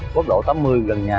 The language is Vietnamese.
quốc độ tám mươi gần nhà